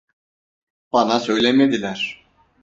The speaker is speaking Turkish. Bana söylemediler.